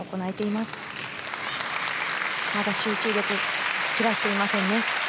まだ集中力を切らしていませんね。